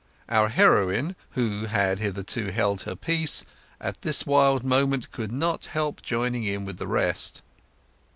Our heroine, who had hitherto held her peace, at this wild moment could not help joining in with the rest.